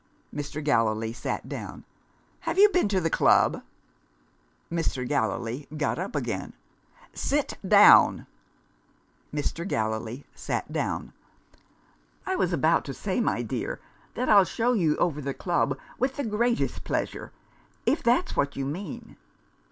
Mr. Gallilee sat down. "Have you been to the club?" Mr. Gallilee got up again. "Sit down!" Mr. Gallilee sat down. "I was about to say, my dear, that I'll show you over the club with the greatest pleasure if that's what you mean."